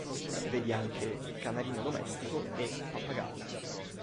Vedi anche: Canarino domestico e Pappagallo